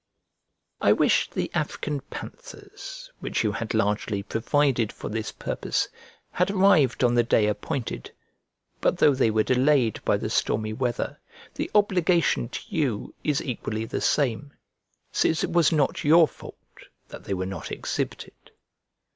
I wish the African panthers, which you had largely provided for this purpose, had arrived on the day appointed, but though they were delayed by the stormy weather, the obligation to you is equally the same, since it was not your fault that they were not exhibited.